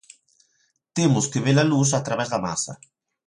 Temos que ver a luz a través da masa.